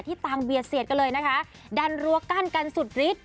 ต่างเบียดเสียดกันเลยนะคะดันรั้วกั้นกันสุดฤทธิ